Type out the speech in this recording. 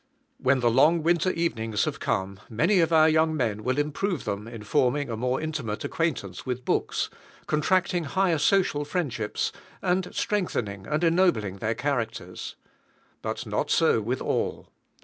When the long winter evenings have come, many of our young men will improve them in forming a more intimate acquaintance with books, contracting higher social friendships, and strengthening and ennobling their characters. But not so with all.